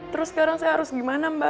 terus sekarang saya harus gimana mbak